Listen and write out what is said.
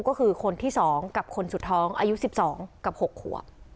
ก็คือคนที่สองกับคนสุดท้องอายุสิบสองกับหกขัว